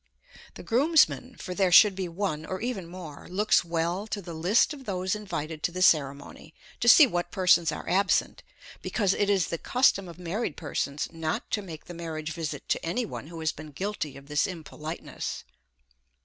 The groomsman, for there should be one or even more, looks well to the list of those invited to the ceremony, to see what persons are absent, because it is the custom of married persons not to make the marriage visit to any one who has been guilty of this impoliteness.